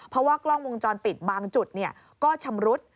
เพราะว่ากล้องวงจรปิดบางจุดก็ชำรุด